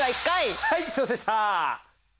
すいませんでした！